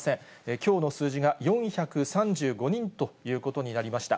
きょうの数字が４３５人ということになりました。